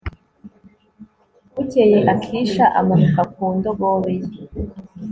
bukeye, akisha amanuka ku ndogobe ye